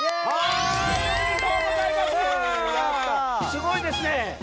すごいですね！